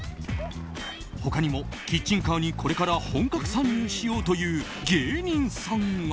他にも、キッチンカーにこれから本格参入しようという芸人さんが。